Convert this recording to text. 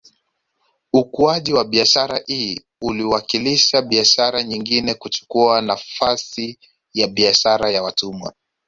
Ukuaji wa biashara hii uliwakilisha biashara nyengine kuchukua nafasi ya biashara ya watumwa